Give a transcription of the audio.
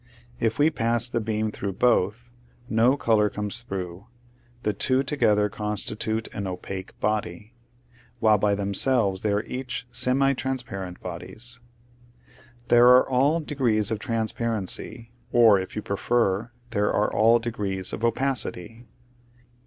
If we pass the beam through both, no color comes through ; the two together constitute an opaque body, while by themselves they are each semi transparent bodies. There are all de grees of transparency, or, if you prefer, there are all degrees of opacity.